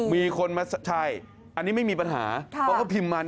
๑๖๔มีคนมาใช่อันนี้ไม่มีปัญหาเพราะว่าพิมพ์มา